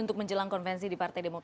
untuk menghindari trump